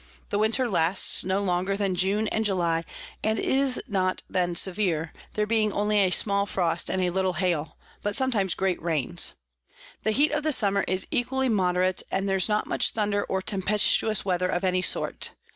The Winter lasts no longer than June and July, and is not then severe, there being only a small Frost and a little Hail, but sometimes great Rains. The Heat of the Summer is equally moderate, and there's not much Thunder or tempestuous Weather of any sort.